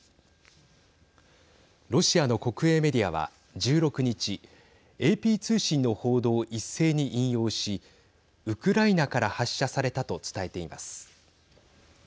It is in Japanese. ロシアの国営メディアは１６日ＡＰ通信の報道を一斉に引用しウクライナから発射されたと伝えています。